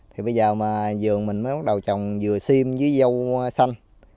thì bây giờ mà dường mình mới bắt đầu trồng dừa xiêm với dâu xanh